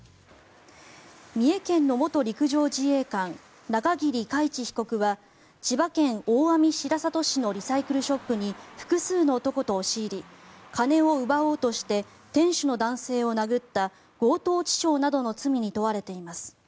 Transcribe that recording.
三重県の元陸上自衛官中桐海知被告は千葉県大網白里市のリサイクルショップに複数の男と押し入り金を奪おうとして店主の男性を殴った強盗致傷などの罪に問われています。